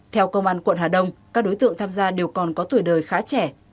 theo công an quận hà đông các đối tượng tham gia đều còn có tuổi đời khá trẻ